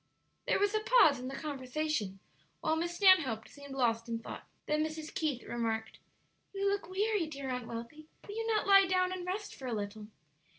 There was a pause in the conversation, while Miss Stanhope seemed lost in thought. Then Mrs. Keith remarked: "You look weary, dear Aunt Wealthy; will you not lie down and rest for a little?"